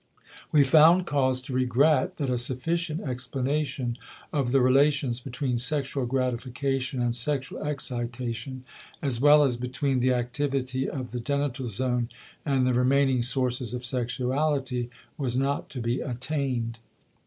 We found cause to regret that a sufficient explanation of the relations between sexual gratification and sexual excitement, as well as between the activity of the genital zone and the remaining sources of sexuality, was not to be attained.